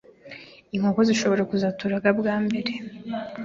inkoko zishobora kuzaturaga bwa mbere